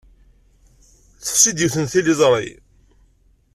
Tefsi-d yiwet n tliẓri.